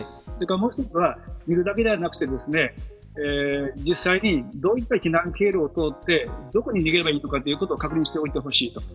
もう一つは水だけではなくて実際にどういった避難経路を通って、どこに逃げればいいのかというのを確認してほしい。